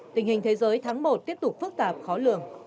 tình hình thế giới tháng một tiếp tục phức tạp khó lường